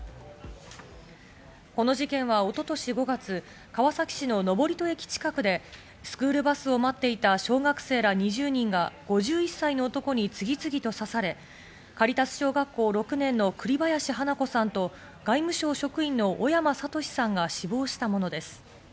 この事件は一昨年５月、川崎市の登戸駅近くでスクールを待っていた小学生ら２０人が５１歳の男に次々と刺され、カリタス小学校６年の栗林華子さんと、外務省職員の小山智史さんが死亡したものです。